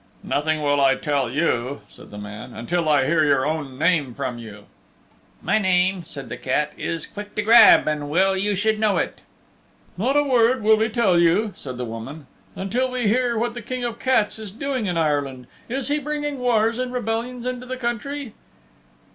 "Nothing will I tell you," said the man, "until I hear your own name from you." "My name," said the cat, "is Quick to Grab, and well you should know it." "Not a word will we tell you," said the woman, "until we hear what the King of the Cats is doing in Ireland. Is he bringing wars and rebellions into the country?"